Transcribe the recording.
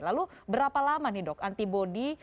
lalu berapa lama nih dok antibody